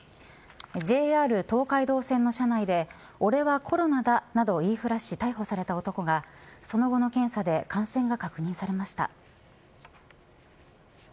ＪＲ東海道線の車内で俺はコロナだなどと言いふらし逮捕された男がその後の検査で感染が確認されました。